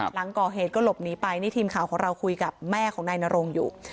หลังก่อเหตุก็หลบหนีไปนี่ทีมข่าวของเราคุยกับแม่ของนายนรงอยู่